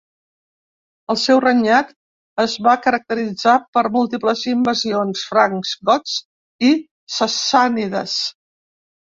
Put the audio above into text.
El seu regnat es va caracteritzar per múltiples invasions: francs, gots i sassànides.